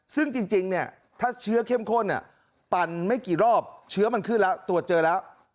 ซึ่งจริงเนี่ยถ้าเชื้อเข้มข้นปั่นไม่กี่รอบเชื้อมันขึ้นแล้วตรวจเจอแล้ว